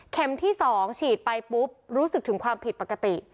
ที่๒ฉีดไปปุ๊บรู้สึกถึงความผิดปกติ